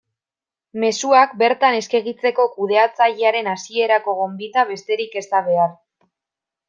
Mezuak bertan eskegitzeko kudeatzailearen hasierako gonbita besterik ez da behar.